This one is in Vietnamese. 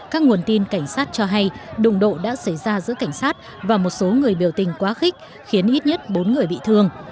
các nguồn tin cảnh sát cho hay đụng độ đã xảy ra giữa cảnh sát và một số người biểu tình quá khích khiến ít nhất bốn người bị thương